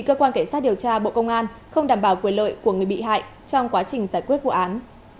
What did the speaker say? cơ quan cảnh sát điều tra bộ công an không đảm bảo quyền lợi của người bị hại trong quá trình giải quyết vụ án